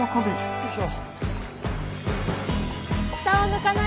よいしょ。